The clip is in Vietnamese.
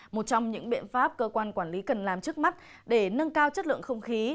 một trong những biện pháp cơ quan quản lý cần làm trước mắt để nâng cao chất lượng không khí